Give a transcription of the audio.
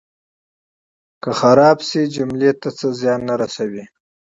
که حذف شي جملې ته څه زیان نه رسوي.